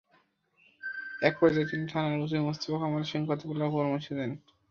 একপর্যায়ে তিনি থানার ওসি মোস্তফা কামালের সঙ্গে কথা বলার পরামর্শ দেন।